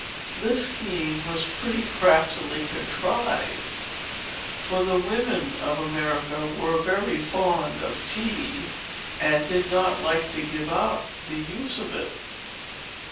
This scheme was pretty craftily contrived; for the women of America were very fond of tea, and did not like to give up the use of it.